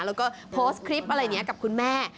แล้วก็โพสต์คลิปอะไรอย่างนี้กับคุณแม่